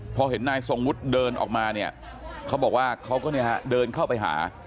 พอเห็นนายทรงวุฒิเดินออกมาเนี่ยเขาบอกว่าเขาก็เนี่ยฮะเดินเข้าไปหา